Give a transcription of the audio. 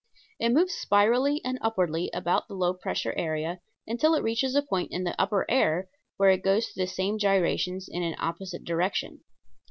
It moves spirally and upwardly about the low pressure area until it reaches a point in the upper air, where it goes through the same gyrations in an opposite direction.